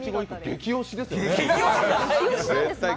激押しですよね。